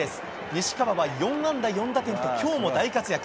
西川は４安打４打点ときょうも大活躍。